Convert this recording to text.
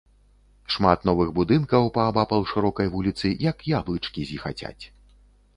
Шмат новых будынкаў паабапал шырокай вуліцы, як яблычкі зіхацяць.